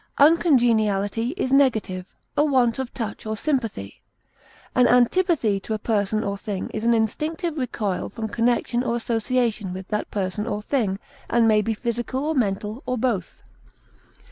Uncongeniality is negative, a want of touch or sympathy. An antipathy to a person or thing is an instinctive recoil from connection or association with that person or thing, and may be physical or mental, or both.